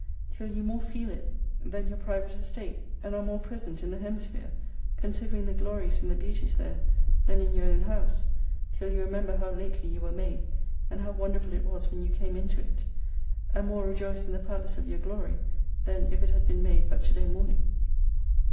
Till you more feel it than your private estate, and are more present in the hemisphere, considering the glories and the beauties there, than in your own house : till you remember how lately you were made, and how wonderful it was when you came into it : and more rejoice in the palace of your glory, than if it had been made but to day morning.